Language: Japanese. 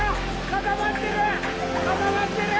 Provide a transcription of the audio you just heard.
固まってる！